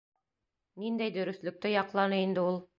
Ниндәй дөрөҫлөктө яҡланы инде ул?